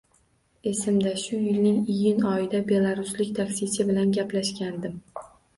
Esimda, shu yilning iyun oyida belaruslik taksichi bilan gaplashgandim